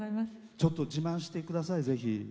ちょっと自慢してください、ぜひ。